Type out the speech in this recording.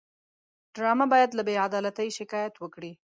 ډرامه باید له بېعدالتۍ شکایت وکړي